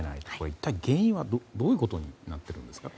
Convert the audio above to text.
一体、原因はどういうことになっているんですか。